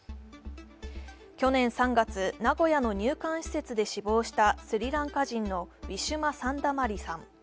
去年３月、名古屋の入管施設で死亡したスリランカ人のウィシュマ・サンダマリさん。